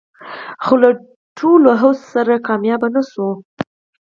خو له ټولو هڅو سره سره بریالي نه شول